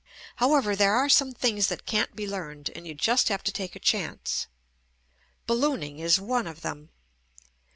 However, there are some things that can't be learned and you just have to take a chance. Ballooning is one of them.